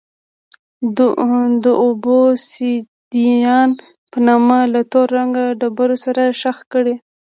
د اوبسیدیان په نامه له تور رنګه ډبرو سره ښخ کړي.